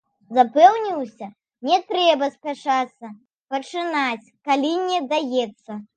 Запэўніўся, не трэба спяшацца пачынаць, калі не даецца.